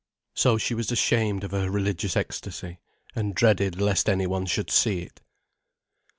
So she was ashamed of her religious ecstasy, and dreaded lest any one should see it.